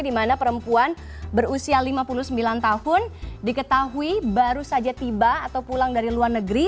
di mana perempuan berusia lima puluh sembilan tahun diketahui baru saja tiba atau pulang dari luar negeri